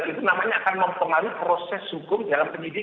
itu namanya akan mempengaruhi proses hukum dalam penyidikan